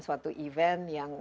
suatu event yang